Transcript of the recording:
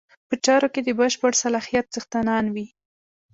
په چارو کې د بشپړ صلاحیت څښتنان وي.